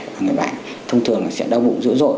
và người bệnh thông thường sẽ đau bụng dữ dội